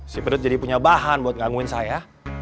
si perut jadi punya bahan buat ngangguin saya